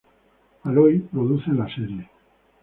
Alloy produce la serie.